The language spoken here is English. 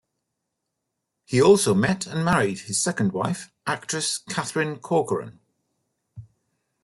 He also met and married his second wife, actress Katherine Corcoran.